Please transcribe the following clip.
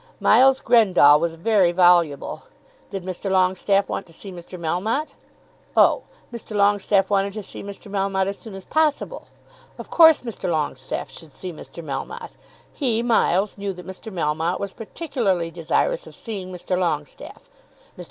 Miles Grendall was very voluble. Did Mr. Longestaffe want to see Mr. Melmotte? Oh; Mr. Longestaffe wanted to see Mr. Melmotte as soon as possible! Of course Mr. Longestaffe should see Mr. Melmotte. He, Miles, knew that Mr. Melmotte was particularly desirous of seeing Mr. Longestaffe. Mr.